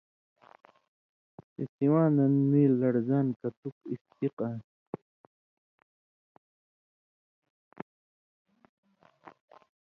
تے سِواں دن میں لڑزان کتُک اِستِق آن٘س۔